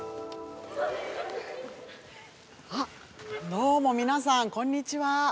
どうも皆さん、こんにちは。